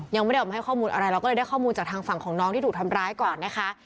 ยังไม่ได้ออกมาให้ข้อมูลอะไรเราก็เลยได้ข้อมูลจากทางฝั่งของน้องที่ถูกทำร้ายก่อนนะคะ